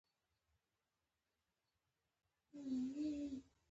حیوانات ځینې وختونه د ګرمۍ نه تښتي.